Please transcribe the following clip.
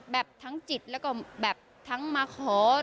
แบบทั้งจิตแล้วก็แบบทั้งมาขอ